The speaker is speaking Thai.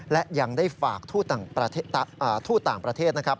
และยังได้ฝากทูตต่างประเทศนะครับ